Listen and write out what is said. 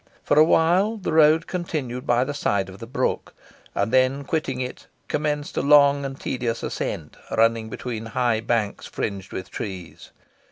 For a while the road continued by the side of the brook, and then quitting it, commenced a long and tedious ascent, running between high banks fringed with trees.